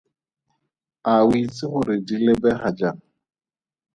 A o itse gore di lebega jang?